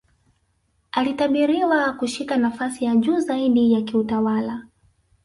alitabiriwa kushika nafasi ya juu zaidi ya kiutawala